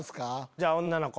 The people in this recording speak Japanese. じゃあ女の子。